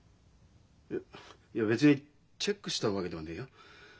いやいや別にチェックしたわけではねえよ。